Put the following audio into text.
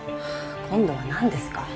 今度はなんですか？